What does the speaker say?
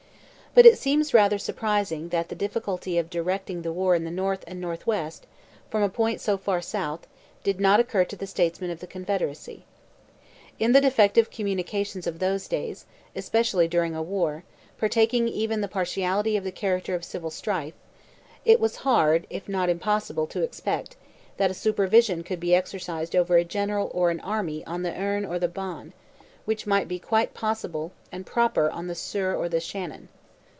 But it seems rather surprising that the difficulty of directing the war in the North and North West, from a point so far south, did not occur to the statesmen of the Confederacy. In the defective communications of those days, especially during a war, partaking even partially of the character of civil strife, it was hard, if not impossible to expect, that a supervision could be exercised over a general or an army on the Erne or the Bann, which might be quite possible and proper on the Suir or the Shannon.